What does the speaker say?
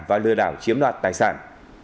và lừa đảo chiếm đoạt tài sản